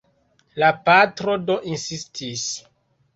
La patro do insistis.